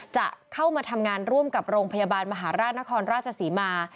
จะเข้ามาทำงานร่วมกับโรงพยาบาลมหาราชนครราชศรีมา